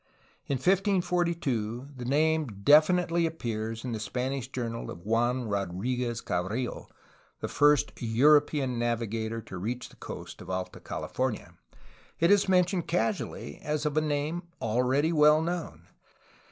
In 1542 the name definitely appears in the Spanish journal of Juan Rodriguez Cabrillo, the first European navi gator to reach the coast of Alta California. It is mentioned casually as of a name already well known.